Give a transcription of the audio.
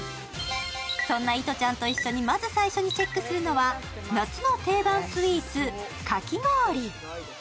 そんないとちゃんと一緒にまず最初にチェックするのは夏の定番スイーツ・かき氷。